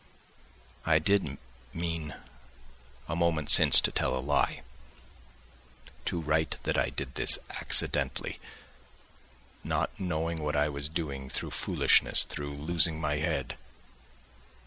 I did mean a moment since to tell a lie—to write that I did this accidentally, not knowing what I was doing through foolishness, through losing my head.